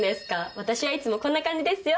私はいつもこんな感じですよ